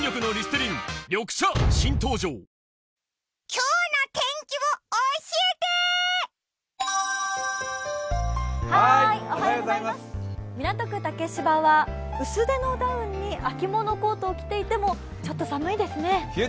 今日の天気を教えて港区竹芝は薄手のダウンに秋物のコートを着ていてもちょっと寒いですね。